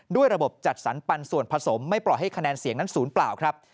ด้วยระบบจัดสรรปันส่วนผสมไม่ปล่อยให้คะแนนเสียงนั้นศูนย์เปล่าครับ